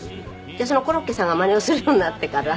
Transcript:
じゃあコロッケさんがマネをするようになってから。